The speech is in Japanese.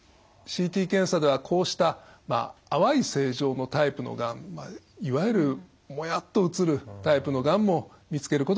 ＣＴ検査ではこうした淡い性状のタイプのがんいわゆるもやっと写るタイプのがんも見つけることができます。